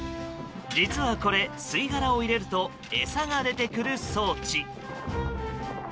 実はこれ、吸殻を入れると餌が出てくる装置。